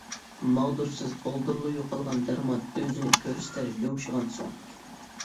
ماغدۇرسىز، بالدۇرلا يوقالغان دەرمان، ئۆزىنى كۆرسىتەر يۇمشىغان سۆڭەك.